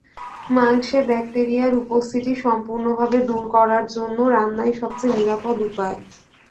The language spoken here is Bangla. মাংসে ব্যাকটেরিয়ার উপস্থিতি সম্পূর্ণভাবে দূর করার জন্য রান্নাই সবচেয়ে নিরাপদ উপায়।